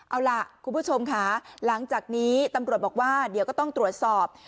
เอาล่ะคุณผู้ชมค่ะหลังจากนี้ตำรวจบอกว่าเดี๋ยวก็ต้องตรวจสอบ